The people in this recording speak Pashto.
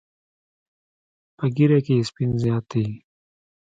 په ږیره کې یې سپین زیات دي.